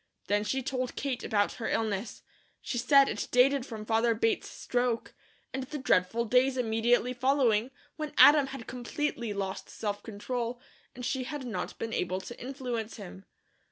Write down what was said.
Then she told Kate about her illness. She said it dated from father Bates stroke, and the dreadful days immediately following, when Adam had completely lost self control, and she had not been able to influence him.